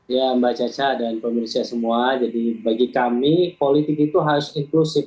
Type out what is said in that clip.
ya mbak caca dan pemerintah semua jadi bagi kami politik itu harus inklusif